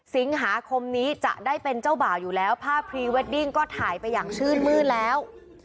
สิงหาคมนี้จะได้เป็นเจ้าบ่าวอยู่แล้วภาพพรีเวดดิ้งก็ถ่ายไปอย่างชื่นมื้นแล้ว